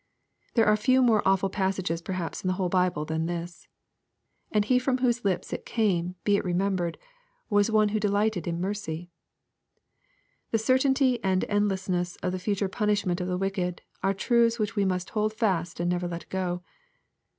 There are few more awful passages perhaps in the whole Bible than this. And He from whose lips it came, be it remembered, was one who delighted in mercy 1 The certainty and endlessness of the future punish ment of the wicked, are truths which we must holdfast and never let go.